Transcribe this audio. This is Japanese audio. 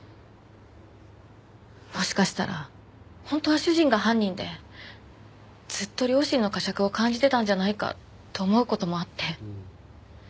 もしかしたら本当は主人が犯人でずっと良心の呵責を感じてたんじゃないかと思う事もあって。